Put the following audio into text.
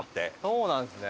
そうなんですね。